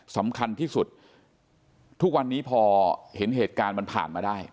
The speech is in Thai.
สำคัญที่สุดทุกวันนี้พอเห็นเหตุการณ์มันผ่านมาได้